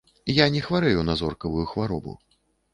Я не хварэю на зоркавую хваробу.